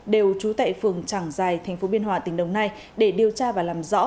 đều trú tại phường trảng giài tp biên hòa tỉnh đồng nai để điều tra và làm rõ